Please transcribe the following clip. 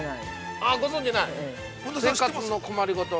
◆ああ、ご存じない？